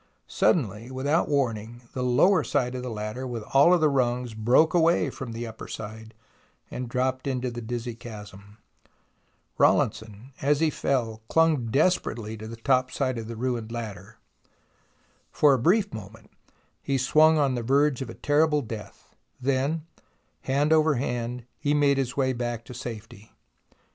Suddenly, without warning, the lower side of the ladder with all the rungs broke away from the upper side and dropped into the dizzy chasm. Rawlinson, as he fell, clung desperately to the top side of the ruined ladder. For a brief moment he swung on the verge of a terrible death, then, hand over hand, he made his way back to safety.